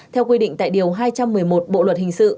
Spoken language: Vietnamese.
theo quy định tại điều hai trăm một mươi một bộ luật hình sự